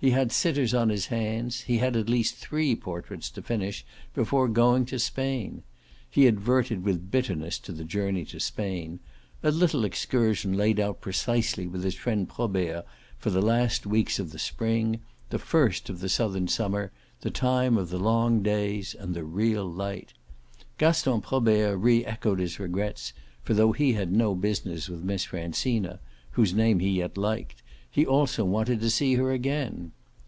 He had sitters on his hands, he had at least three portraits to finish before going to Spain. He adverted with bitterness to the journey to Spain a little excursion laid out precisely with his friend Probert for the last weeks of the spring, the first of the southern summer, the time of the long days and the real light. Gaston Probert re echoed his regrets, for though he had no business with Miss Francina, whose name he yet liked, he also wanted to see her again.